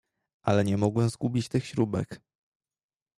"Ale nie mogłem zgubić tych śrubek."